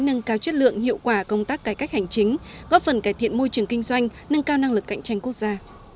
nâng cao chất lượng hiệu quả công tác cải cách hành chính góp phần cải thiện môi trường kinh doanh nâng cao năng lực cạnh tranh quốc gia